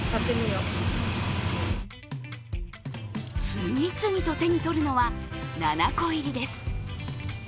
次々と手に取るのは７個入りです